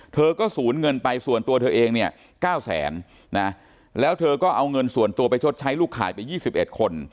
เธอก็สูญเงินไปส่วนตัวเธอเองเนี่ย๙แสนนะแล้วเธอก็เอาเงินส่วนตัวไปชดใช้ลูกข่ายไป๒๑คน